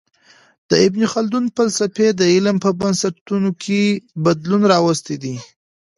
د ابن خلدون فلسفې د علم په بنسټونو کي بدلون راوستی دی.